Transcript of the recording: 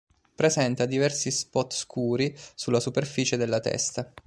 Presenta diversi "spot" scuri sulla superficie della testa.